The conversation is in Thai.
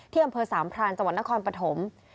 อำเภอสามพรานจังหวัดนครปฐม